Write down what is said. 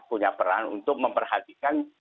punya peran untuk memperhatikan